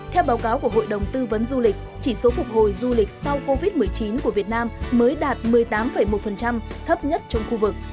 theo báo cáo của hội đồng tư vấn du lịch chỉ số phục hồi du lịch sau covid một mươi chín của việt nam mới đạt một mươi tám một thấp nhất trong khu vực